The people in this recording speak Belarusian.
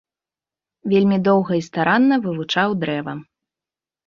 Вельмі доўга і старанна вывучаў дрэва.